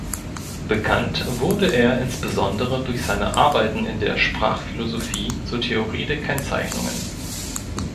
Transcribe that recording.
Bekannt wurde er insbesondere durch seine Arbeiten in der Sprachphilosophie zur Theorie der Kennzeichnungen.